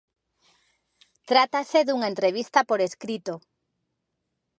Trátase dunha entrevista por escrito.